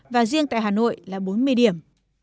và riêng tại hà nội là bốn mươi điểm